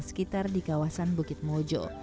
sekitar di kawasan bukit mojo